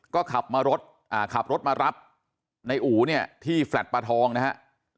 ก็ขับรถมารับในอู๋ที่แฟลต์ปลาทองนะครับ